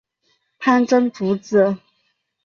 潘珍族子。